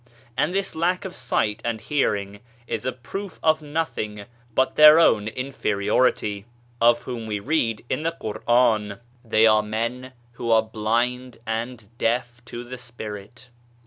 And this lack of sight and hearing is a proof of nothing but their own inferiority ; of whom we read in the Quran ," They are men who are blind and deaf to the Spirit."